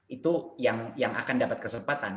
itu yang akan dapat kesempatan